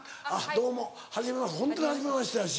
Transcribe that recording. どうもはじめましてホントにはじめましてやし。